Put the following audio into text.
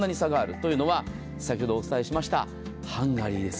というのは先ほどお伝えしたハンガリーです。